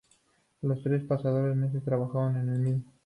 Los tres pasaron meses trabajando en el mismo.